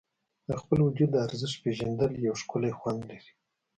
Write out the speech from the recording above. د خپل وجود ارزښت پېژندل یو ښکلی خوند لري.